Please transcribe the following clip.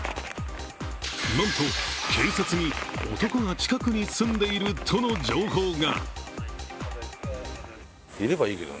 なんと警察に、男が近くに住んでいるとの情報が。